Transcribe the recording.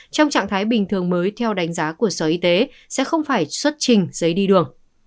trong trạng thái bình thường mới theo đánh giá của sở y tế sẽ không phải xuất trình giấy đi đường